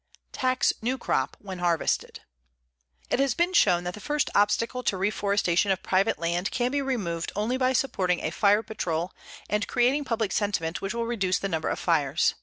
TAX NEW CROP WHEN HARVESTED It has been shown that the first obstacle to reforestation of private land can be removed only by supporting a fire patrol and creating public sentiment which will reduce the number of fires.